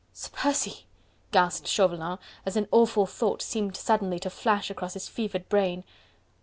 "Sir Percy!..." gasped Chauvelin, as an awful thought seemed suddenly to flash across his fevered brain.